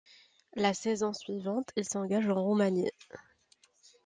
La saison suivante il s'engage en Roumanie.